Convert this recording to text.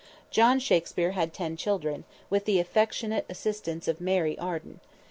John Shakspere had ten children, with the affectionate assistance of Mary Arden.